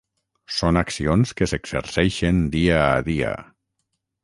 Són accions que s’exerceixen dia a dia.